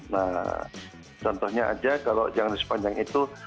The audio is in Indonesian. nah contohnya aja kalau jangan di sepanjang itu